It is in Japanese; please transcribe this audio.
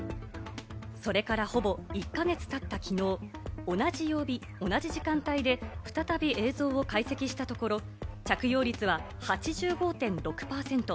それからほぼ１か月たった昨日、同じ曜日、同じ時間帯で再び映像を解析したところ、着用率は８５．６％。